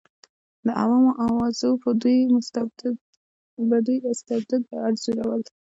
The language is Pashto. د عوامو اوازو به دوی مستبد انځورول.